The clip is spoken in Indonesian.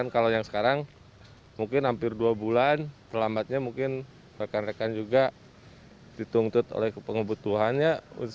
kalau yang sekarang mungkin hampir dua bulan terlambatnya mungkin rekan rekan juga dituntut oleh pengebutuhannya